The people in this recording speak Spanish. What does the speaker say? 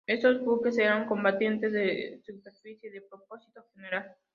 Estos buques eran combatientes de superficie de propósito general.